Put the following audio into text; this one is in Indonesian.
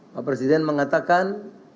pak presiden mengatakan